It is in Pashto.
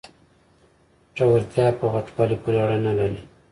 زړورتیا په غټوالي پورې اړه نلري.